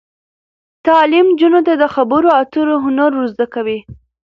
تعلیم نجونو ته د خبرو اترو هنر ور زده کوي.